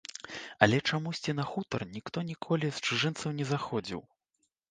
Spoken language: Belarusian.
Але чамусьці на хутар ніхто ніколі з чужынцаў не заходзіў.